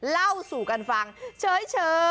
เล่าสู่กันฟังเฉย